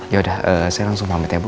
yaudah saya langsung pamit ya bu